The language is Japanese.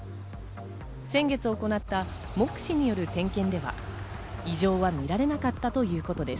先月行った目視による点検では異常は見られなかったということです。